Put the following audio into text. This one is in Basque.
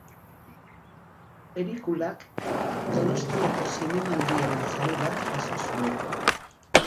Pelikulak Donostiako Zinemaldiaren sari bat jaso zuen.